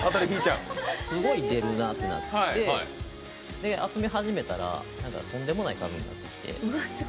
すごい出るなってなって集め始めたらとんでもない数になってきて。